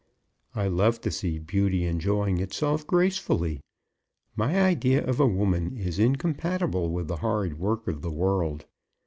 "I love to see beauty enjoying itself gracefully. My idea of a woman is incompatible with the hard work of the world.